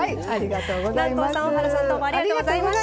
南光さん大原さんどうもありがとうございました。